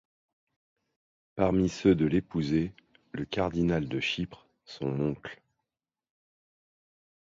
Parmi ceux de l'épousée, le cardinal de Chypre, son oncle.